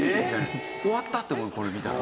終わったって思うこれ見たら。